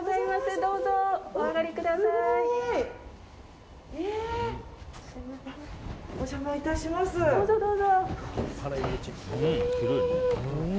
どうぞ、どうぞ。